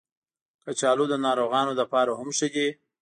کچالو د ناروغانو لپاره هم ښه دي